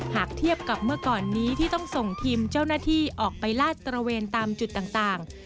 หากเทียบกับเมื่อก่อนนี้ที่ต้องส่งทีมเจ้าหน้าที่ออกไปลาดตระเวนตามจุดต่าง